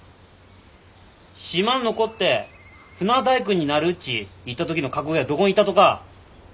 島に残って船大工になるっち言った時の覚悟やどこんいったとか。